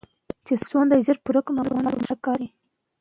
که خویندې ښکاریانې وي نو ځنګل به امن نه وي.